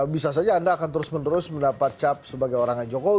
bisa saja anda akan terus menerus mendapat cap sebagai orangnya jokowi